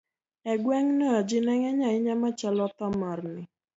E gweng'no, ji ne ng'eny ahinya machalo thomorni